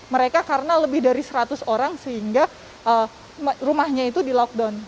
mereka karena lebih dari seratus orang sehingga rumahnya itu di lockdown